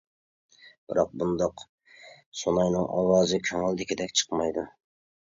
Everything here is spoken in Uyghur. بىراق، بۇنداق سۇناينىڭ ئاۋازى كۆڭۈلدىكىدەك چىقمايدۇ.